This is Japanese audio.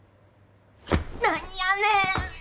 何やねん！